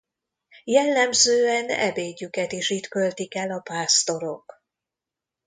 Jellemzően ebédjüket is itt költik el a pásztorok.